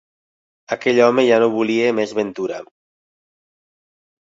Aquell home ja no volia més ventura.